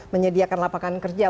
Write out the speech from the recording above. menyediakan lapangan kerja